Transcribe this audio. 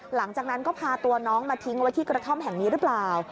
หลังจากนั้นก็พาตัวน้องมาทิ้งไว้ที่กระท่อมแห่งนี้หรือเปล่า